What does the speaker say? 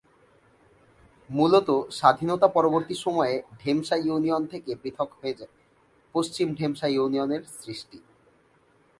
মূলত স্বাধীনতা পরবর্তী সময়ে ঢেমশা ইউনিয়ন থেকে পৃথক হয়ে পশ্চিম ঢেমশা ইউনিয়নের সৃষ্টি।